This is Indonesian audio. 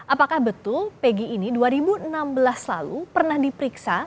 apakah betul pegi ini dua ribu enam belas lalu pernah diperiksa